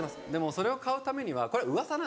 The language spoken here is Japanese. それを買うためにはこれうわさなんですよ。